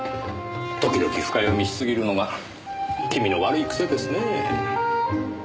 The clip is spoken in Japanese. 時々深読みしすぎるのが君の悪いクセですねぇ。